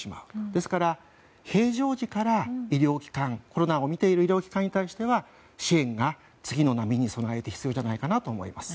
ですから、平常時からコロナを診ている医療機関に対しては、支援が次の波に備えて必要じゃないかなと思います。